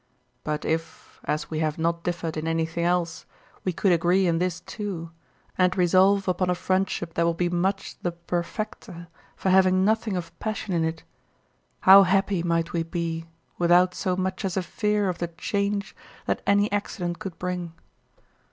But if, as we have not differed in anything else, we could agree in this too, and resolve upon a friendship that will be much the perfecter for having nothing of passion in it, how happy might we be without so much as a fear of the change that any accident could bring.